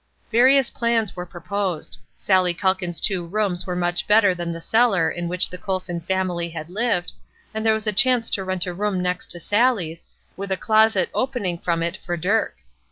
Various plans were proposed. Sallie Calkins' two rooms were much better than the cellar in which the Colson family had lived; and there was a chance to rent a room next to Sallie's, with a closet opening from it for Dirk.